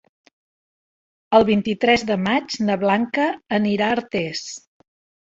El vint-i-tres de maig na Blanca anirà a Artés.